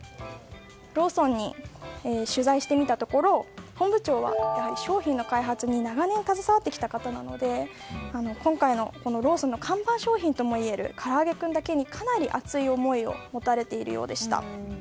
ローソンに取材してみたところ本部長は商品の開発に長年、携わってきた方なので今回の、ローソンの看板商品ともいえるからあげクンだけにかなり熱い思いを持たれているようでした。